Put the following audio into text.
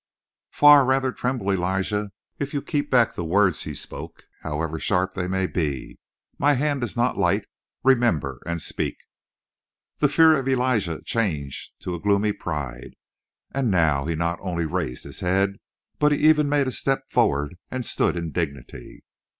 "Far rather tremble, Elijah, if you keep back the words he spoke, however sharp they may be. My hand is not light. Remember, and speak." The fear of Elijah changed to a gloomy pride, and now he not only raised his head, but he even made a step forward and stood in dignity.